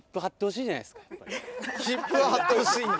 湿布は貼ってほしいんだ。